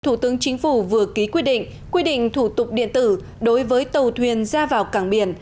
thủ tướng chính phủ vừa ký quyết định quy định thủ tục điện tử đối với tàu thuyền ra vào cảng biển